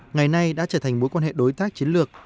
ngày nay đã trở thành mối quan hệ đối tác chiến lược